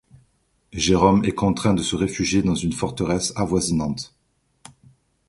Jérôme est contraint de se réfugier dans une forteresse avoisinante.